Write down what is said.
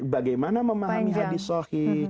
bagaimana memahami hadis shohih